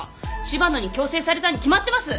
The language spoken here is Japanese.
柴野に強制されたに決まってます！